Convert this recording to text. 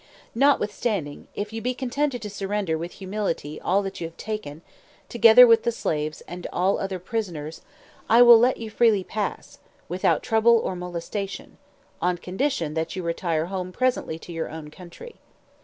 Notwithstanding, if you be contented to surrender with humility all that you have taken, together with the slaves and all other prisoners, I will let you freely pass, without trouble or molestation; on condition that you retire home presently to your own country.